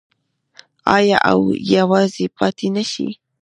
آیا او یوځای پاتې نشي؟